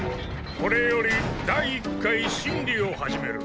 これより第１回審理を始める。